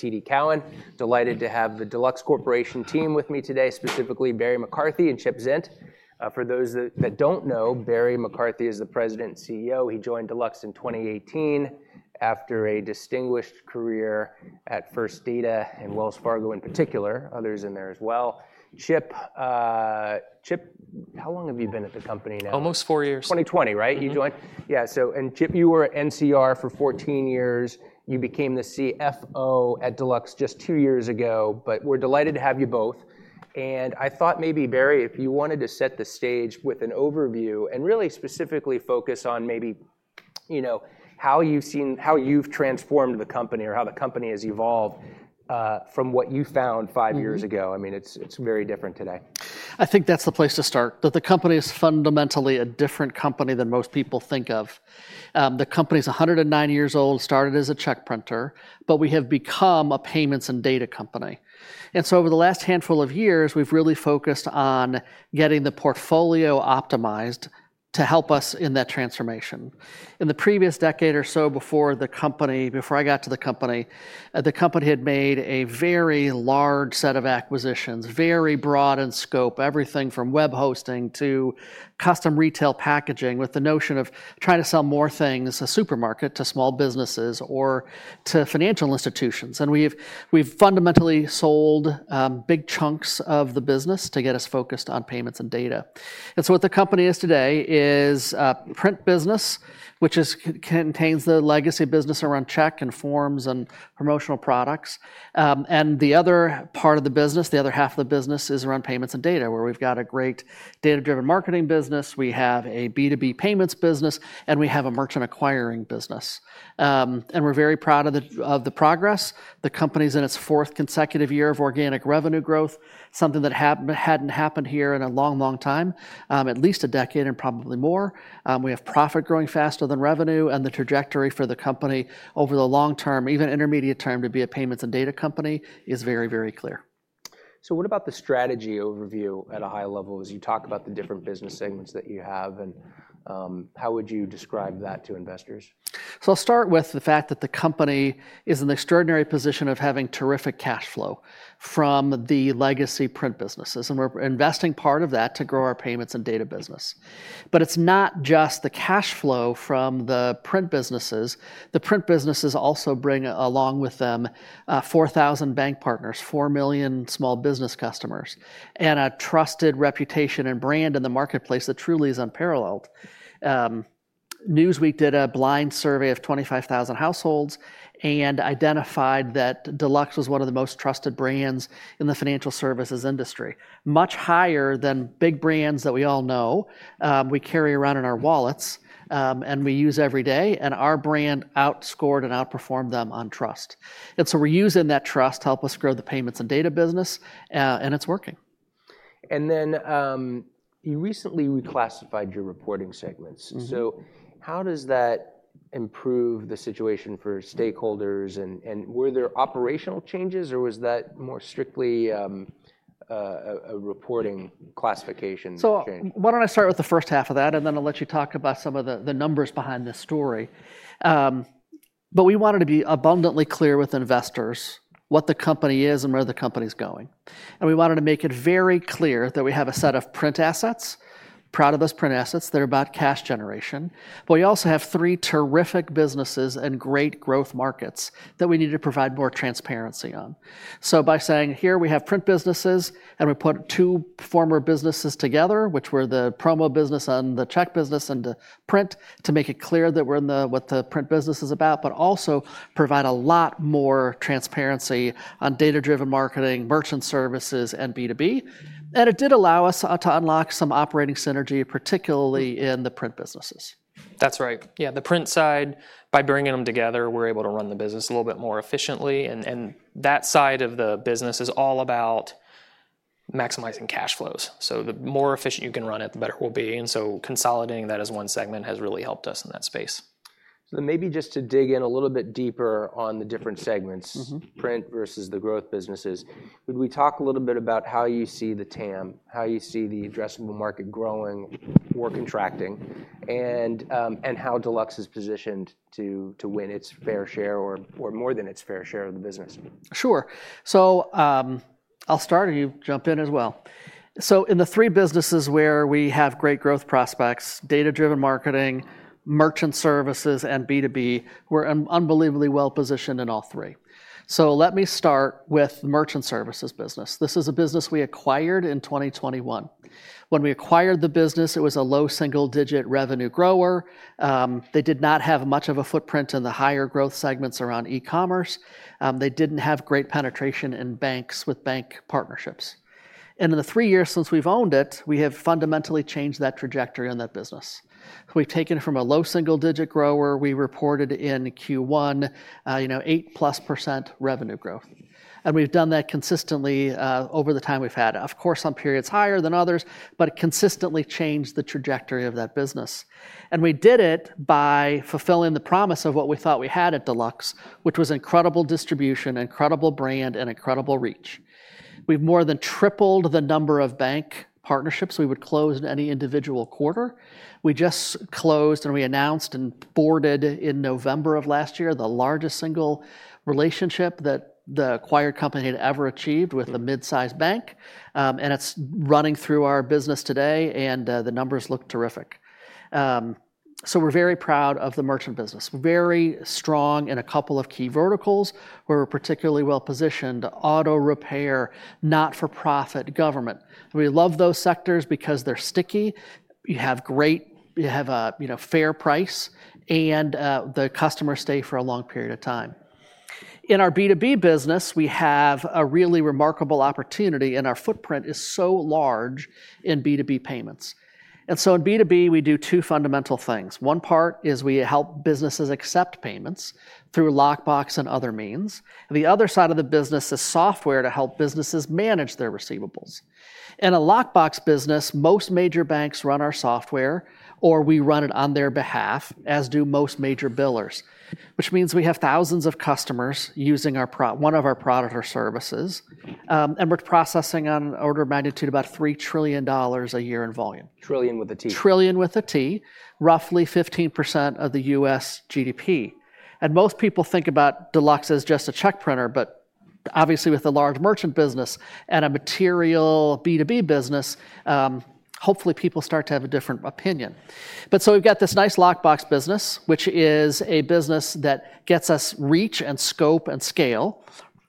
TD Cowen, delighted to have the Deluxe Corporation team with me today, specifically Barry McCarthy and Chip Zint. For those that don't know, Barry McCarthy is the President and CEO. He joined Deluxe in 2018 after a distinguished career at First Data and Wells Fargo in particular, others in there as well. Chip, how long have you been at the company now? Almost four years. 2020, right? You joined? Yeah. And Chip, you were at NCR for 14 years. You became the CFO at Deluxe just two years ago. But we're delighted to have you both. And I thought maybe, Barry, if you wanted to set the stage with an overview and really specifically focus on maybe how you've seen how you've transformed the company or how the company has evolved from what you found five years ago. I mean, it's very different today. I think that's the place to start, that the company is fundamentally a different company than most people think of. The company is 109 years old, started as a check printer, but we have become a payments and data company. And so over the last handful of years, we've really focused on getting the portfolio optimized to help us in that transformation. In the previous decade or so before I got to the company, the company had made a very large set of acquisitions, very broad in scope, everything from web hosting to custom retail packaging with the notion of trying to sell more things, a supermarket to small businesses or to financial institutions. And we've fundamentally sold big chunks of the business to get us focused on payments and data. So what the company is today is a print business, which contains the legacy business around check and forms and promotional products. The other part of the business, the other half of the business is around payments and data, where we've got a great data-driven marketing business, we have a B2B payments business, and we have a merchant acquiring business. We're very proud of the progress. The company is in its fourth consecutive year of organic revenue growth, something that hadn't happened here in a long, long time, at least a decade and probably more. We have profit growing faster than revenue. The trajectory for the company over the long term, even intermediate term, to be a payments and data company is very, very clear. What about the strategy overview at a high level as you talk about the different business segments that you have? How would you describe that to investors? So I'll start with the fact that the company is in the extraordinary position of having terrific cash flow from the legacy print businesses. And we're investing part of that to grow our payments and data business. But it's not just the cash flow from the print businesses. The print businesses also bring along with them 4,000 bank partners, 4 million small business customers, and a trusted reputation and brand in the marketplace that truly is unparalleled. Newsweek did a blind survey of 25,000 households and identified that Deluxe was one of the most trusted brands in the financial services industry, much higher than big brands that we all know we carry around in our wallets and we use every day. And our brand outscored and outperformed them on trust. And so we're using that trust to help us grow the payments and data business. And it's working. Then you recently reclassified your reporting segments. How does that improve the situation for stakeholders? Were there operational changes, or was that more strictly a reporting classification change? So why don't I start with the first half of that, and then I'll let you talk about some of the numbers behind this story. But we wanted to be abundantly clear with investors what the company is and where the company is going. And we wanted to make it very clear that we have a set of print assets, proud of those print assets. They're about cash generation. But we also have three terrific businesses and great growth markets that we need to provide more transparency on. So by saying, here we have print businesses, and we put two former businesses together, which were the promo business and the check business and the print, to make it clear that we're in the what the print business is about, but also provide a lot more transparency on data-driven marketing, merchant services, and B2B. And it did allow us to unlock some operating synergy, particularly in the print businesses. That's right. Yeah, the print side, by bringing them together, we're able to run the business a little bit more efficiently. That side of the business is all about maximizing cash flows. The more efficient you can run it, the better it will be. Consolidating that as one segment has really helped us in that space. Then maybe just to dig in a little bit deeper on the different segments, print versus the growth businesses, would we talk a little bit about how you see the TAM, how you see the addressable market growing, we're contracting, and how Deluxe is positioned to win its fair share or more than its fair share of the business? Sure. So I'll start and you jump in as well. So in the three businesses where we have great growth prospects, data-driven marketing, merchant services, and B2B, we're unbelievably well positioned in all three. So let me start with the merchant services business. This is a business we acquired in 2021. When we acquired the business, it was a low single-digit revenue grower. They did not have much of a footprint in the higher growth segments around e-commerce. They didn't have great penetration in banks with bank partnerships. And in the three years since we've owned it, we have fundamentally changed that trajectory in that business. We've taken from a low single-digit grower, we reported in Q1, 8%+ revenue growth. And we've done that consistently over the time we've had, of course, on periods higher than others, but consistently changed the trajectory of that business. And we did it by fulfilling the promise of what we thought we had at Deluxe, which was incredible distribution, incredible brand, and incredible reach. We've more than tripled the number of bank partnerships we would close in any individual quarter. We just closed and we announced and boarded in November of last year the largest single relationship that the acquired company had ever achieved with a midsize bank. And it's running through our business today. And the numbers look terrific. So we're very proud of the merchant business, very strong in a couple of key verticals where we're particularly well positioned: auto repair, not-for-profit, government. We love those sectors because they're sticky. You have a fair price, and the customers stay for a long period of time. In our B2B business, we have a really remarkable opportunity, and our footprint is so large in B2B payments. So in B2B, we do two fundamental things. One part is we help businesses accept payments through lockbox and other means. The other side of the business is software to help businesses manage their receivables. In a lockbox business, most major banks run our software, or we run it on their behalf, as do most major billers, which means we have thousands of customers using one of our products or services. We're processing on an order of magnitude about $3 trillion a year in volume. Trillion with a T. Trillion with a T, roughly 15% of the U.S. GDP. Most people think about Deluxe as just a check printer. But obviously, with a large merchant business and a material B2B business, hopefully people start to have a different opinion. But so we've got this nice lockbox business, which is a business that gets us reach and scope and scale.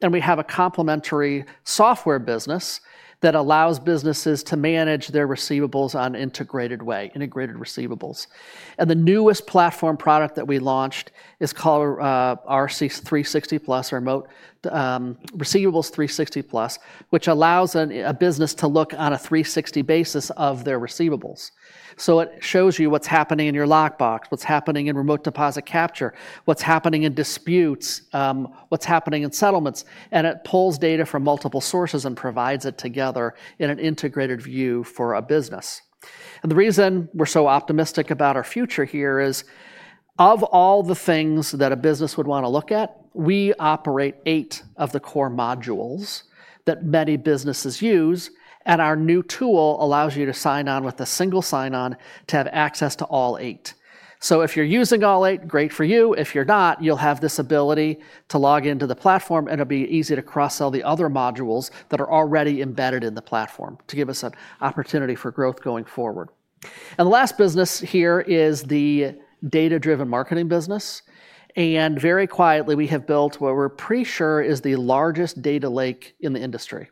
And we have a complementary software business that allows businesses to manage their receivables in an integrated way, integrated receivables. And the newest platform product that we launched is called RC360+, or Receivables360+, which allows a business to look on a 360 basis of their receivables. So it shows you what's happening in your lockbox, what's happening in remote deposit capture, what's happening in disputes, what's happening in settlements. And it pulls data from multiple sources and provides it together in an integrated view for a business. And the reason we're so optimistic about our future here is, of all the things that a business would want to look at, we operate eight of the core modules that many businesses use. And our new tool allows you to sign on with a single sign-on to have access to all eight. So if you're using all eight, great for you. If you're not, you'll have this ability to log into the platform. And it'll be easy to cross-sell the other modules that are already embedded in the platform to give us an opportunity for growth going forward. And the last business here is the data-driven marketing business. And very quietly, we have built what we're pretty sure is the largest data lake in the industry.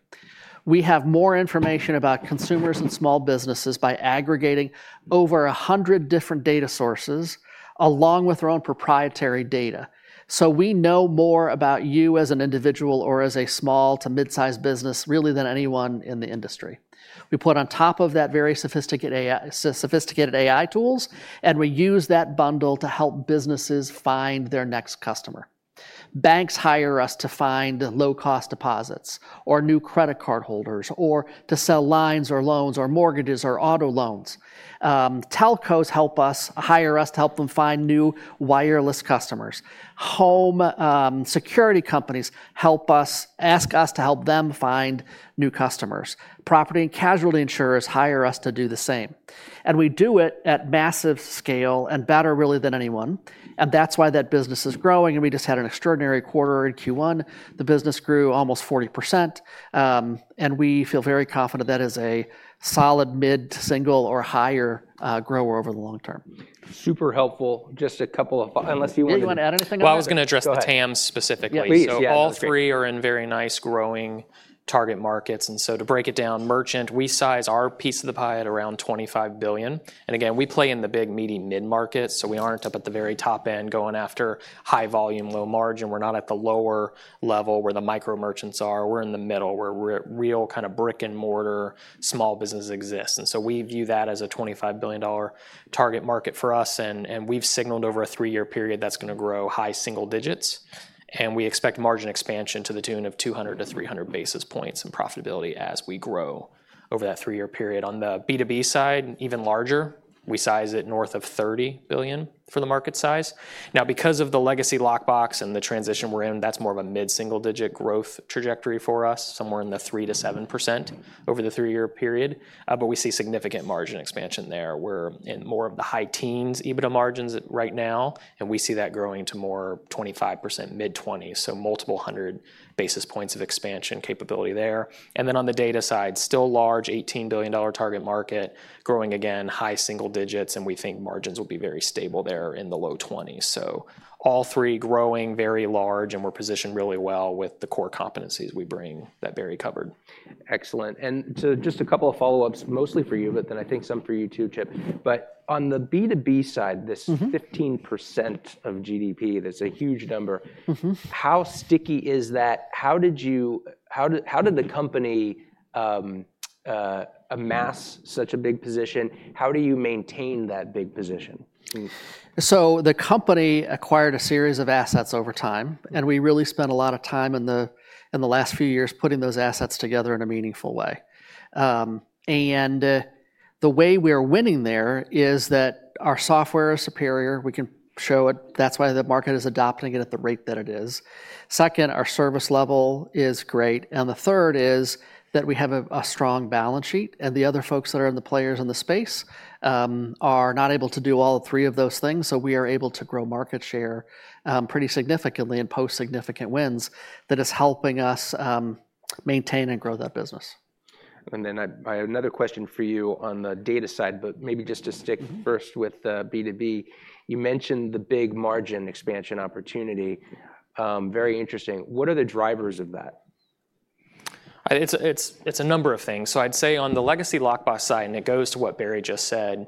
We have more information about consumers and small businesses by aggregating over 100 different data sources, along with our own proprietary data. So we know more about you as an individual or as a small to midsize business really than anyone in the industry. We put on top of that very sophisticated AI tools, and we use that bundle to help businesses find their next customer. Banks hire us to find low-cost deposits or new credit card holders or to sell lines or loans or mortgages or auto loans. Telcos help us hire to help them find new wireless customers. Home security companies help us ask us to help them find new customers. Property and casualty insurers hire us to do the same. And we do it at massive scale and better really than anyone. And that's why that business is growing. We just had an extraordinary quarter in Q1. The business grew almost 40%. We feel very confident that is a solid mid-single or higher grower over the long term. Super helpful. Just a couple of unless you want to. Do you want to add anything else? Well, I was going to address the TAMs specifically. So all three are in very nice growing target markets. And so to break it down, merchant, we size our piece of the pie at around $25 billion. And again, we play in the big, meaty mid-markets. So we aren't up at the very top end going after high volume, low margin. We're not at the lower level where the micro merchants are. We're in the middle where real kind of brick and mortar small businesses exist. And so we view that as a $25 billion target market for us. And we've signaled over a three-year period that's going to grow high single digits. And we expect margin expansion to the tune of 200-300 basis points in profitability as we grow over that three-year period. On the B2B side, even larger, we size it north of $30 billion for the market size. Now, because of the legacy lockbox and the transition we're in, that's more of a mid-single digit growth trajectory for us, somewhere in the 3%-7% over the three-year period. But we see significant margin expansion there. We're in more of the high teens EBITDA margins right now. And we see that growing to more 25%, mid-20%, so multiple hundred basis points of expansion capability there. And then on the data side, still large, $18 billion target market, growing again, high single digits. And we think margins will be very stable there in the low 20%. So all three growing very large. And we're positioned really well with the core competencies we bring that Barry covered. Excellent. And so just a couple of follow-ups, mostly for you, but then I think some for you too, Chip. But on the B2B side, this 15% of GDP, that's a huge number. How sticky is that? How did the company amass such a big position? How do you maintain that big position? So the company acquired a series of assets over time. And we really spent a lot of time in the last few years putting those assets together in a meaningful way. And the way we are winning there is that our software is superior. We can show it. That's why the market is adopting it at the rate that it is. Second, our service level is great. And the third is that we have a strong balance sheet. The other players in the space are not able to do all three of those things. We are able to grow market share pretty significantly and post significant wins that is helping us maintain and grow that business. And then I have another question for you on the data side, but maybe just to stick first with B2B. You mentioned the big margin expansion opportunity. Very interesting. What are the drivers of that? It's a number of things. So I'd say on the legacy lockbox side, and it goes to what Barry just said,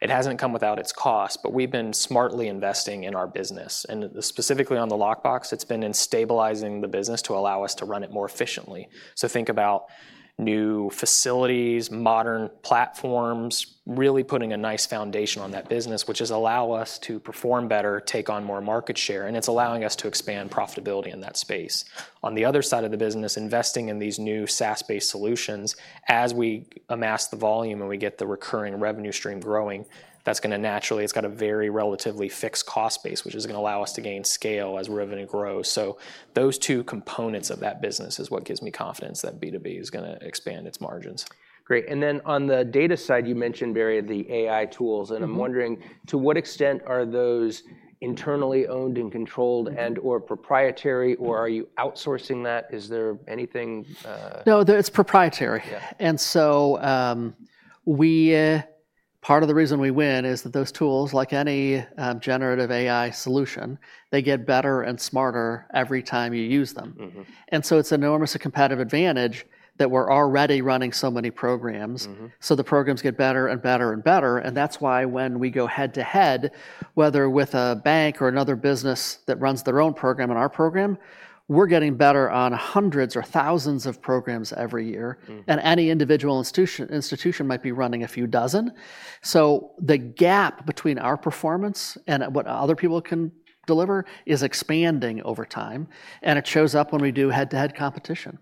it hasn't come without its cost. But we've been smartly investing in our business. And specifically on the lockbox, it's been in stabilizing the business to allow us to run it more efficiently. So think about new facilities, modern platforms, really putting a nice foundation on that business, which is allow us to perform better, take on more market share. And it's allowing us to expand profitability in that space. On the other side of the business, investing in these new SaaS-based solutions, as we amass the volume and we get the recurring revenue stream growing, that's going to naturally it's got a very relatively fixed cost base, which is going to allow us to gain scale as revenue grows. So those two components of that business is what gives me confidence that B2B is going to expand its margins. Great. And then on the data side, you mentioned, Barry, the AI tools. And I'm wondering, to what extent are those internally owned and controlled and/or proprietary? Or are you outsourcing that? Is there anything? No, it's proprietary. And so part of the reason we win is that those tools, like any Generative AI solution, they get better and smarter every time you use them. And so it's an enormous competitive advantage that we're already running so many programs. So the programs get better and better and better. And that's why when we go head-to-head, whether with a bank or another business that runs their own program and our program, we're getting better on hundreds or thousands of programs every year. And any individual institution might be running a few dozen. So the gap between our performance and what other people can deliver is expanding over time. And it shows up when we do head-to-head competition.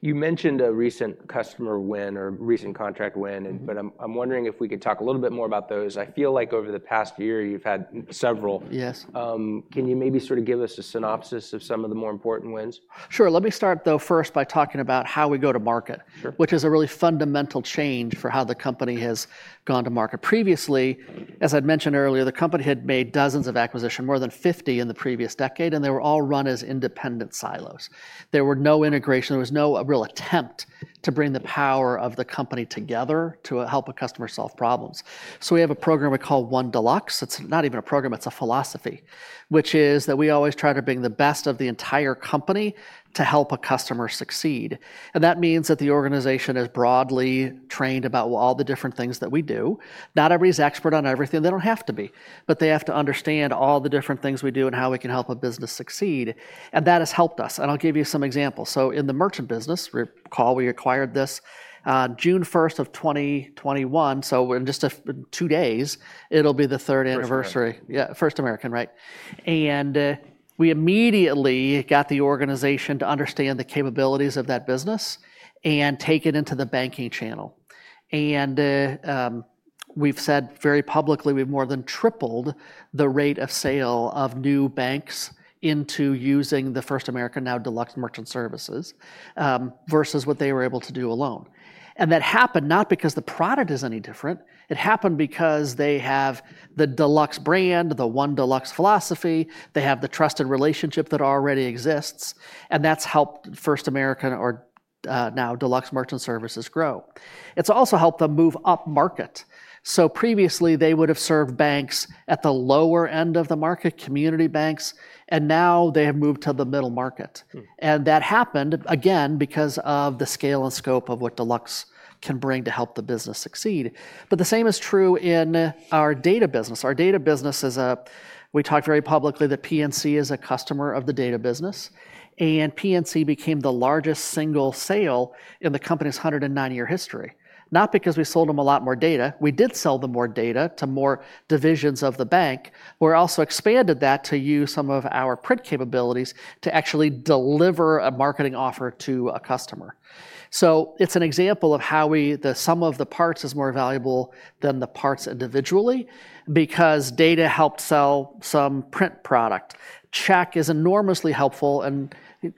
You mentioned a recent customer win or recent contract win. But I'm wondering if we could talk a little bit more about those. I feel like over the past year, you've had several. Can you maybe sort of give us a synopsis of some of the more important wins? Sure. Let me start, though, first by talking about how we go to market, which is a really fundamental change for how the company has gone to market. Previously, as I'd mentioned earlier, the company had made dozens of acquisitions, more than 50 in the previous decade. They were all run as independent silos. There were no integrations. There was no real attempt to bring the power of the company together to help a customer solve problems. We have a program we call One Deluxe. It's not even a program. It's a philosophy, which is that we always try to bring the best of the entire company to help a customer succeed. That means that the organization is broadly trained about all the different things that we do. Not everyone is expert on everything. They don't have to be. But they have to understand all the different things we do and how we can help a business succeed. And that has helped us. And I'll give you some examples. So in the merchant business, recall, we acquired this June 1st of 2021. So in just two days, it'll be the third anniversary. Yeah, First American, right? And we immediately got the organization to understand the capabilities of that business and take it into the banking channel. And we've said very publicly, we've more than tripled the rate of sale of new banks into using the First American, now Deluxe Merchant Services, versus what they were able to do alone. And that happened not because the product is any different. It happened because they have the Deluxe brand, the One Deluxe philosophy. They have the trusted relationship that already exists. And that's helped First American, or now Deluxe Merchant Services, grow. It's also helped them move up market. So previously, they would have served banks at the lower end of the market, community banks. And now they have moved to the middle market. And that happened, again, because of the scale and scope of what Deluxe can bring to help the business succeed. But the same is true in our data business. Our data business is, as we talked very publicly, that PNC is a customer of the data business. And PNC became the largest single sale in the company's 109-year history, not because we sold them a lot more data. We did sell them more data to more divisions of the bank. We also expanded that to use some of our print capabilities to actually deliver a marketing offer to a customer. So it's an example of how some of the parts are more valuable than the parts individually, because data helped sell some print product. Check is enormously helpful in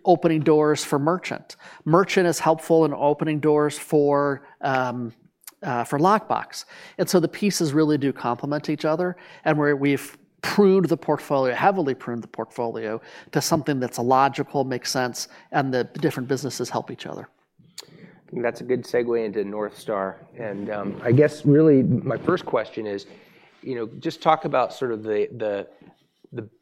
opening doors for merchant. Merchant is helpful in opening doors for lockbox. And so the pieces really do complement each other. And we've pruned the portfolio, heavily pruned the portfolio, to something that's logical, makes sense, and the different businesses help each other. That's a good segue into North Star. I guess, really, my first question is, just talk about sort of the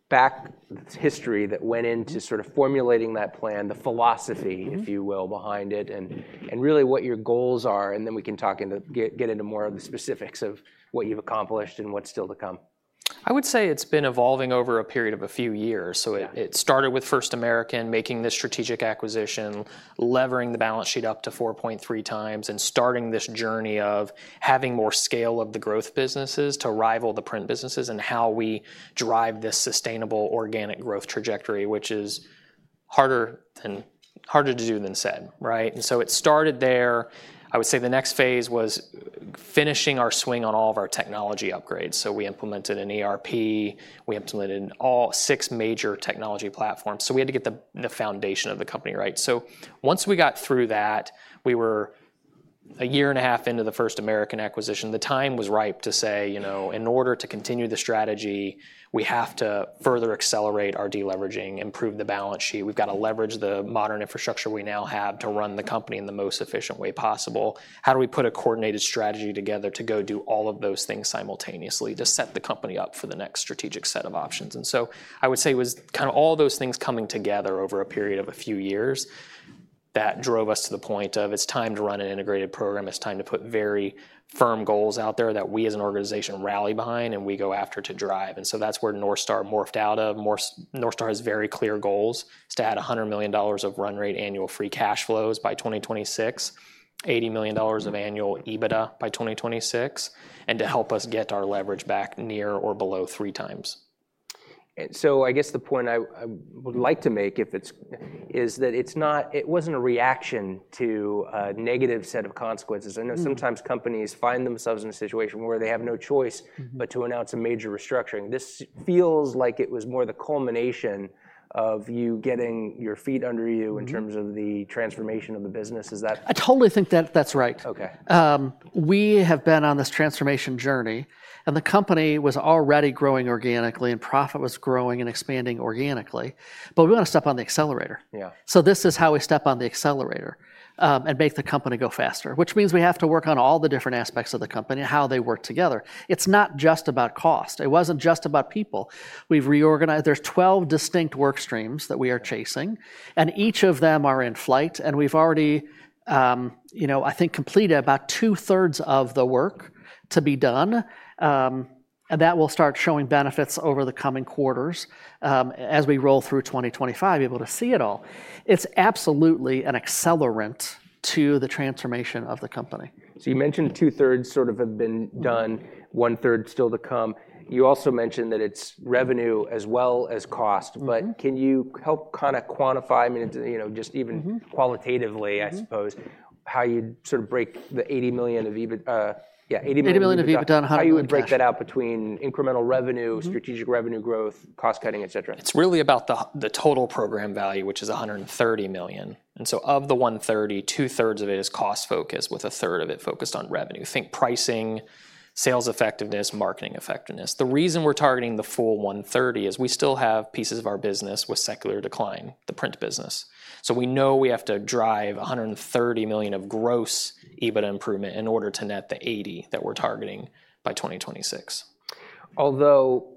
back history that went into sort of formulating that plan, the philosophy, if you will, behind it, and really what your goals are. Then we can talk into get into more of the specifics of what you've accomplished and what's still to come. I would say it's been evolving over a period of a few years. So it started with First American, making this strategic acquisition, levering the balance sheet up to 4.3x, and starting this journey of having more scale of the growth businesses to rival the print businesses and how we drive this sustainable organic growth trajectory, which is harder to do than said, right? And so it started there. I would say the next phase was finishing our swing on all of our technology upgrades. So we implemented an ERP. We implemented all six major technology platforms. So we had to get the foundation of the company right. So once we got through that, we were a year and a half into the First American acquisition. The time was ripe to say, in order to continue the strategy, we have to further accelerate our deleveraging, improve the balance sheet. We've got to leverage the modern infrastructure we now have to run the company in the most efficient way possible. How do we put a coordinated strategy together to go do all of those things simultaneously to set the company up for the next strategic set of options? And so I would say it was kind of all those things coming together over a period of a few years that drove us to the point of, it's time to run an integrated program. It's time to put very firm goals out there that we, as an organization, rally behind and we go after to drive. And so that's where North Star morphed out of. North Star has very clear goals to add $100 million of run rate annual free cash flows by 2026, $80 million of annual EBITDA by 2026, and to help us get our leverage back near or below 3x. I guess the point I would like to make is that it wasn't a reaction to a negative set of consequences. I know sometimes companies find themselves in a situation where they have no choice but to announce a major restructuring. This feels like it was more the culmination of you getting your feet under you in terms of the transformation of the business. I totally think that that's right. We have been on this transformation journey. The company was already growing organically. Profit was growing and expanding organically. But we want to step on the accelerator. This is how we step on the accelerator and make the company go faster, which means we have to work on all the different aspects of the company and how they work together. It's not just about cost. It wasn't just about people. We've reorganized. There are 12 distinct work streams that we are chasing. Each of them are in flight. We've already, I think, completed about two-thirds of the work to be done. That will start showing benefits over the coming quarters. As we roll through 2025, you'll be able to see it all. It's absolutely an accelerant to the transformation of the company. So you mentioned two-thirds sort of have been done, one-third still to come. You also mentioned that it's revenue as well as cost. But can you help kind of quantify, I mean, just even qualitatively, I suppose, how you'd sort of break the $80 million of EBITDA? $80 million of EBITDA on $100 million. How you would break that out between incremental revenue, strategic revenue growth, cost cutting, et cetera? It's really about the total program value, which is $130 million. So of the $130 million, two-thirds of it is cost-focused, with a third of it focused on revenue. Think pricing, sales effectiveness, marketing effectiveness. The reason we're targeting the full $130 million is we still have pieces of our business with secular decline, the print business. We know we have to drive $130 million of gross EBITDA improvement in order to net the $80 million that we're targeting by 2026. Although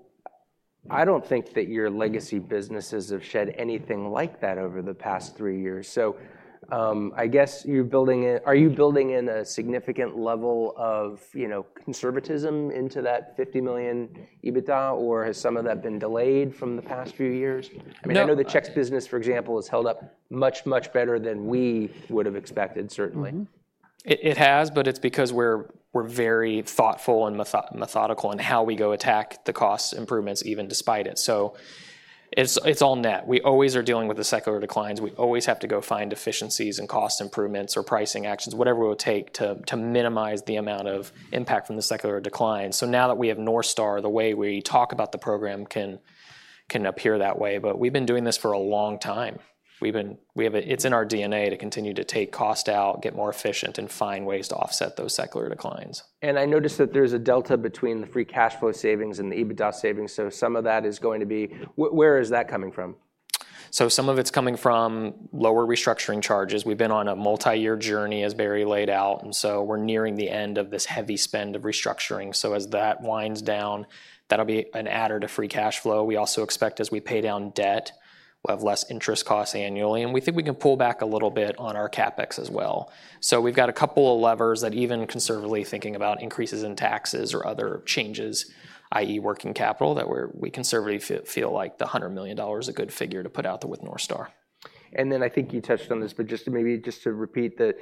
I don't think that your legacy businesses have shed anything like that over the past three years. So I guess you're building in a significant level of conservatism into that $50 million EBITDA? Or has some of that been delayed from the past few years? I mean, I know the checks business, for example, has held up much, much better than we would have expected, certainly. It has. But it's because we're very thoughtful and methodical in how we go attack the cost improvements, even despite it. So it's all net. We always are dealing with the secular declines. We always have to go find efficiencies and cost improvements or pricing actions, whatever it will take, to minimize the amount of impact from the secular decline. So now that we have North Star, the way we talk about the program can appear that way. But we've been doing this for a long time. It's in our DNA to continue to take cost out, get more efficient, and find ways to offset those secular declines. And I noticed that there's a delta between the free cash flow savings and the EBITDA savings. So some of that is going to be, where is that coming from? So some of it's coming from lower restructuring charges. We've been on a multi-year journey, as Barry laid out. So we're nearing the end of this heavy spend of restructuring. So as that winds down, that'll be an added to free cash flow. We also expect, as we pay down debt, we'll have less interest costs annually. And we think we can pull back a little bit on our CapEx as well. So we've got a couple of levers that, even conservatively thinking about increases in taxes or other changes, i.e., working capital, that we conservatively feel like the $100 million is a good figure to put out there with North Star. I think you touched on this. Maybe just to repeat, the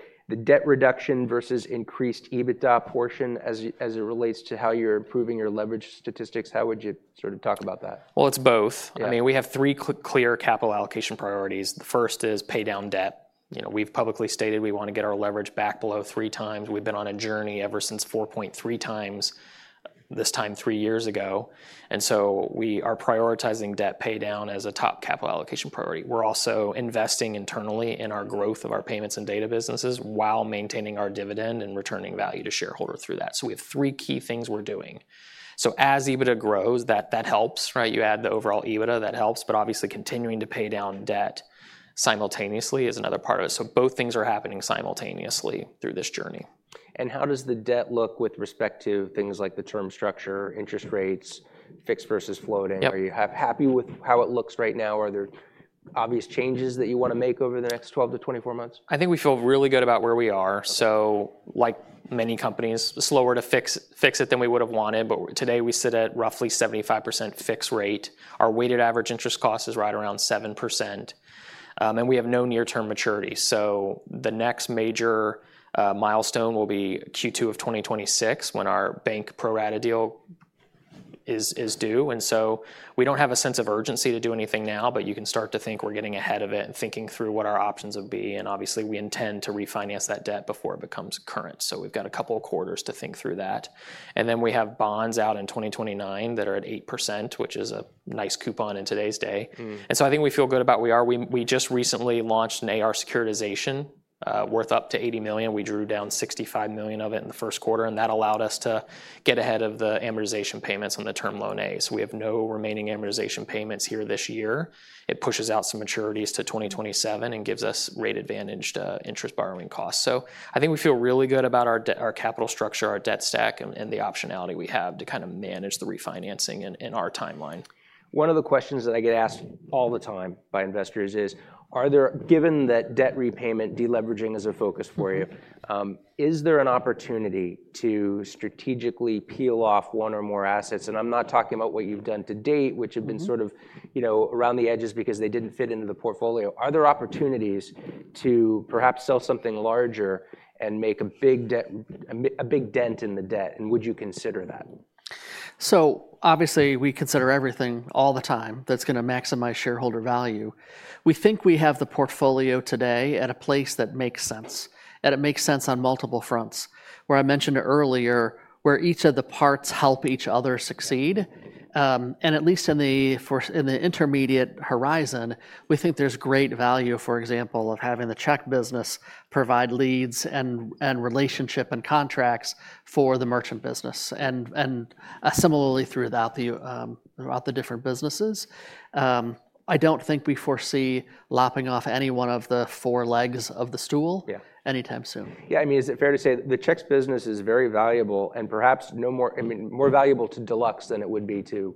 debt reduction versus increased EBITDA portion, as it relates to how you're improving your leverage statistics, how would you sort of talk about that? Well, it's both. I mean, we have three clear capital allocation priorities. The first is pay down debt. We've publicly stated we want to get our leverage back below 3x. We've been on a journey ever since 4.3x, this time three years ago. And so we are prioritizing debt pay down as a top capital allocation priority. We're also investing internally in our growth of our payments and data businesses while maintaining our dividend and returning value to shareholders through that. So we have three key things we're doing. So as EBITDA grows, that helps, right? You add the overall EBITDA. That helps. But obviously, continuing to pay down debt simultaneously is another part of it. So both things are happening simultaneously through this journey. How does the debt look with respect to things like the term structure, interest rates, fixed versus floating? Are you happy with how it looks right now? Are there obvious changes that you want to make over the next 12-24 months? I think we feel really good about where we are. So, like many companies, slower to fix it than we would have wanted. But today, we sit at roughly 75% fixed rate. Our weighted average interest cost is right around 7%. And we have no near-term maturity. So the next major milestone will be Q2 of 2026, when our bank pro-rata deal is due. And so we don't have a sense of urgency to do anything now. But you can start to think we're getting ahead of it and thinking through what our options would be. And obviously, we intend to refinance that debt before it becomes current. So we've got a couple of quarters to think through that. And then we have bonds out in 2029 that are at 8%, which is a nice coupon in today's day. And so I think we feel good about where we are. We just recently launched an AR securitization worth up to $80 million. We drew down $65 million of it in the first quarter. That allowed us to get ahead of the amortization payments on the Term Loan A. We have no remaining amortization payments here this year. It pushes out some maturities to 2027 and gives us rate-advantaged interest borrowing costs. I think we feel really good about our capital structure, our debt stack, and the optionality we have to kind of manage the refinancing in our timeline. One of the questions that I get asked all the time by investors is, given that debt repayment, deleveraging is a focus for you, is there an opportunity to strategically peel off one or more assets? And I'm not talking about what you've done to date, which have been sort of around the edges because they didn't fit into the portfolio. Are there opportunities to perhaps sell something larger and make a big dent in the debt? And would you consider that? So obviously, we consider everything all the time that's going to maximize shareholder value. We think we have the portfolio today at a place that makes sense, and it makes sense on multiple fronts, where I mentioned earlier, where each of the parts help each other succeed. And at least in the intermediate horizon, we think there's great value, for example, of having the check business provide leads and relationship and contracts for the merchant business, and similarly throughout the different businesses. I don't think we foresee lopping off any one of the four legs of the stool anytime soon. Yeah. I mean, is it fair to say the checks business is very valuable and perhaps more valuable to Deluxe than it would be to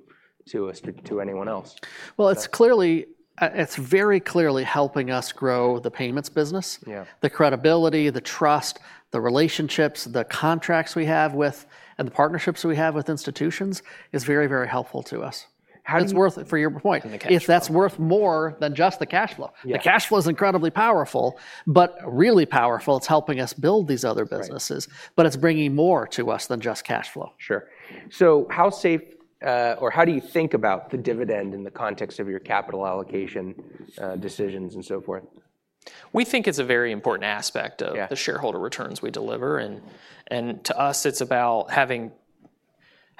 anyone else? Well, it's very clearly helping us grow the payments business. The credibility, the trust, the relationships, the contracts we have with, and the partnerships we have with institutions is very, very helpful to us. It's worth it, for your point, if that's worth more than just the cash flow. The cash flow is incredibly powerful, but really powerful. It's helping us build these other businesses. But it's bringing more to us than just cash flow. Sure. So how safe, or how do you think about the dividend in the context of your capital allocation decisions and so forth? We think it's a very important aspect of the shareholder returns we deliver. And to us, it's about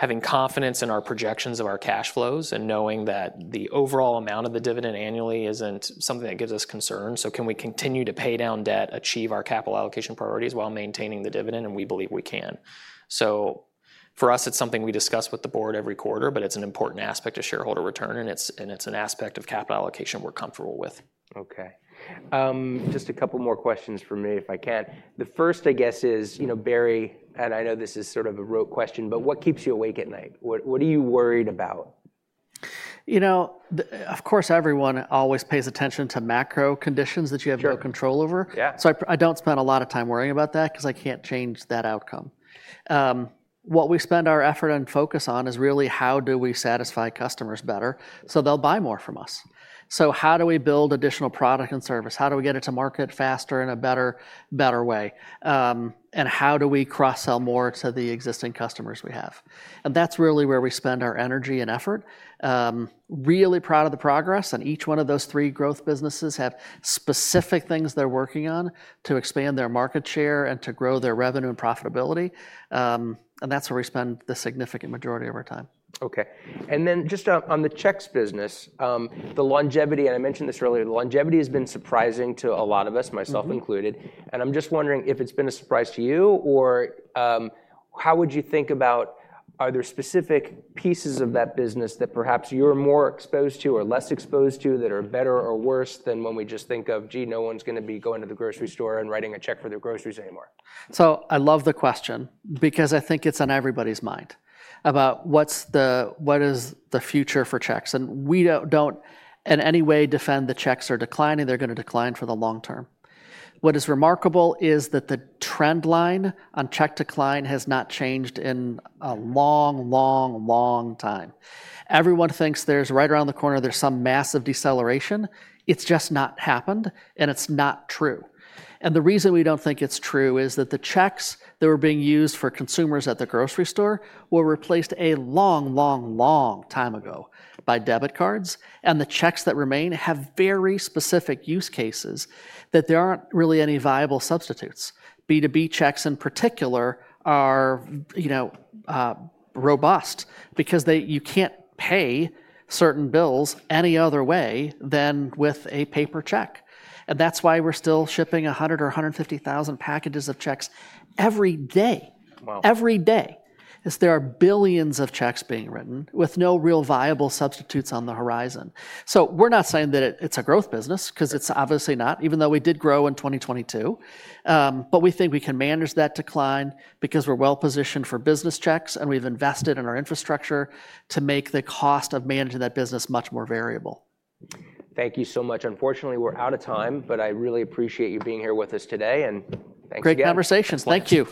having confidence in our projections of our cash flows and knowing that the overall amount of the dividend annually isn't something that gives us concern. So can we continue to pay down debt, achieve our capital allocation priorities while maintaining the dividend? And we believe we can. So for us, it's something we discuss with the board every quarter. But it's an important aspect of shareholder return. And it's an aspect of capital allocation we're comfortable with. OK. Just a couple more questions for me, if I can. The first, I guess, is, Barry, and I know this is sort of a rote question, but what keeps you awake at night? What are you worried about? Of course, everyone always pays attention to macro conditions that you have no control over. So I don't spend a lot of time worrying about that because I can't change that outcome. What we spend our effort and focus on is really, how do we satisfy customers better so they'll buy more from us? So how do we build additional product and service? How do we get it to market faster in a better way? And how do we cross-sell more to the existing customers we have? And that's really where we spend our energy and effort. Really proud of the progress. And each one of those three growth businesses have specific things they're working on to expand their market share and to grow their revenue and profitability. And that's where we spend the significant majority of our time. OK. Then just on the checks business, the longevity and I mentioned this earlier, the longevity has been surprising to a lot of us, myself included. I'm just wondering if it's been a surprise to you. Or how would you think about, are there specific pieces of that business that perhaps you're more exposed to or less exposed to that are better or worse than when we just think of, gee, no one's going to be going to the grocery store and writing a check for their groceries anymore? So I love the question because I think it's on everybody's mind about what is the future for checks. And we don't, in any way, deny that the checks are declining. They're going to decline for the long term. What is remarkable is that the trend line on check decline has not changed in a long, long, long time. Everyone thinks that right around the corner, there's some massive deceleration. It's just not happened. And it's not true. And the reason we don't think it's true is that the checks that were being used for consumers at the grocery store were replaced a long, long, long time ago by debit cards. And the checks that remain have very specific use cases that there aren't really any viable substitutes. B2B checks, in particular, are robust because you can't pay certain bills any other way than with a paper check. That's why we're still shipping 100,000 or 150,000 packages of checks every day, every day. There are billions of checks being written with no real viable substitutes on the horizon. So we're not saying that it's a growth business because it's obviously not, even though we did grow in 2022. But we think we can manage that decline because we're well-positioned for business checks. And we've invested in our infrastructure to make the cost of managing that business much more variable. Thank you so much. Unfortunately, we're out of time. But I really appreciate you being here with us today. Thanks again. Great conversations. Thank you.